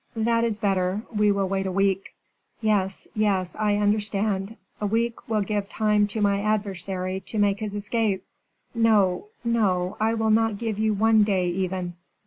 "That is better. We will wait a week." "Yes, yes, I understand; a week will give time to my adversary to make his escape. No, no; I will not give you one day, even."